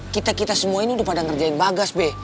kita kita semua ini sudah pada ngerjain bagas be